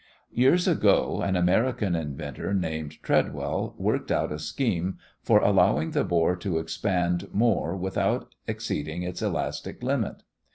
Years ago an American inventor named Treadwell worked out a scheme for allowing the bore to expand more without exceeding its elastic limit.